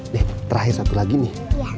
deh terakhir satu lagi nih